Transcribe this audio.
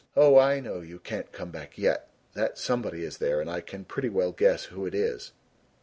Oh, I know you can't come back yet. That 'somebody' is there, and I can pretty well guess who it is."